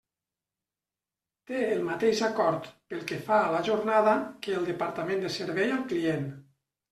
Té el mateix acord, pel que fa a la jornada, que el Departament de Servei al client.